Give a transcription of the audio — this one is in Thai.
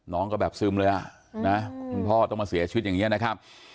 น้องก็แบบซึมเลยอ่ะนะคุณพ่อต้องมาเสียชีวิตอย่างนี้นะครับ